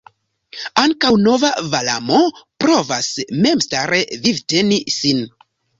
Ankaŭ nova Valamo provas memstare vivteni sin.